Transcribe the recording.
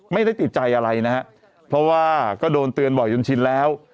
ไม่ได้ติดใจอะไรนะฮะเพราะว่าก็โดนเตือนบ่อยจนชินแล้ว